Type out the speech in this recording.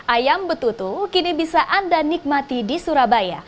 ayam betutu kini bisa anda nikmati di surabaya